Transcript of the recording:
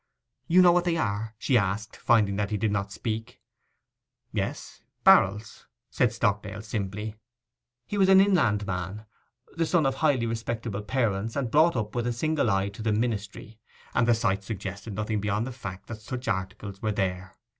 'You know what they are?' she asked, finding that he did not speak. 'Yes, barrels,' said Stockdale simply. He was an inland man, the son of highly respectable parents, and brought up with a single eye to the ministry; and the sight suggested nothing beyond the fact that such articles were there.